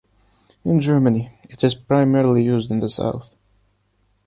In Germany, it is primarily used in the south.